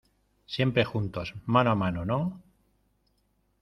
siempre juntos, mano a mano ,¿ no?